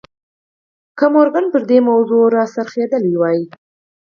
که مورګان پر دې موضوع را څرخېدلی وای